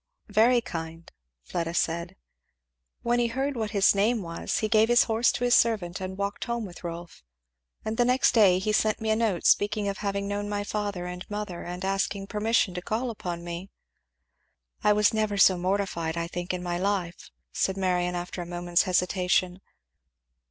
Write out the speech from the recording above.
"Very kind," Fleda said. "When he heard what his name was he gave his horse to his servant and walked home with Rolf; and the next day he sent me a note, speaking of having known my father and mother and asking permission to call upon me. I never was so mortified, I think, in my life," said Marion after a moment's hesitation.